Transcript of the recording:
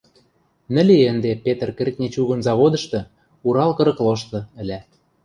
Нӹл и ӹнде Петр кӹртни-чугун заводышты, Урал кырык лошты, ӹлӓ.